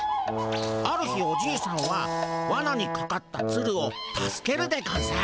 ある日おじいさんはワナにかかったツルを助けるでゴンス。